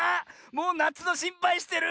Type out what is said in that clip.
もうなつのしんぱいしてる！